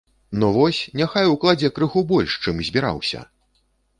Ну вось, няхай укладзе крыху больш, чым збіраўся!